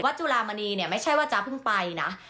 จุลามณีเนี่ยไม่ใช่ว่าจ๊ะเพิ่งไปนะ